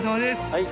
はい。